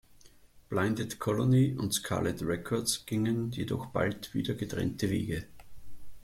Blinded Colony und Scarlet Records gingen jedoch bald wieder getrennte Wege.